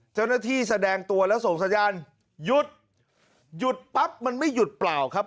แสดงตัวแล้วส่งสัญญาณหยุดหยุดปั๊บมันไม่หยุดเปล่าครับ